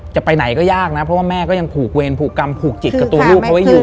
จะไปไหนก็ยากนะเพราะว่าแม่ก็ยังผูกเวรผูกกรรมผูกจิตกับตัวลูกเขาไว้อยู่